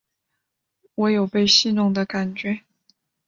我有被戏弄的感觉